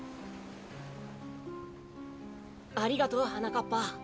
ありがとうはなかっぱ。